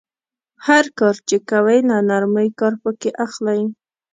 هر کار چې کوئ له نرمۍ کار پکې اخلئ.